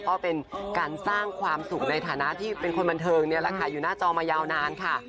ก็เป็นการสร้างความสุขในฐานะที่เป็นคนบันเทิงนี่แหละค่ะอยู่หน้าจอมายาวนานค่ะ